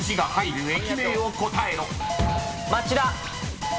町田。